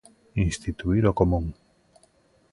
Instituír o común.